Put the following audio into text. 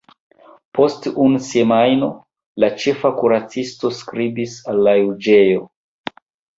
Post unu semajno la ĉefa kuracisto skribis al la juĝejo.